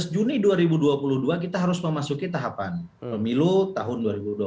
dua belas juni dua ribu dua puluh dua kita harus memasuki tahapan pemilu tahun dua ribu dua puluh empat